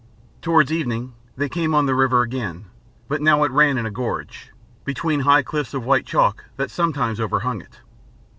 Towards evening they came on the river again, but now it ran in a gorge, between high cliffs of white chalk that sometimes overhung it.